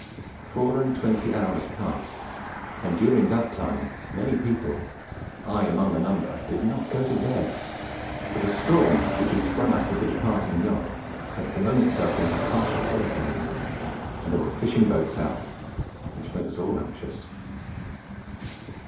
"Four and twenty hours passed, and during that time many people, I among the number, did not go to bed, for the storm which had sprung up with the departing yacht had blown itself into half a hurricane, and there were fishing boats out, which made us all anxious.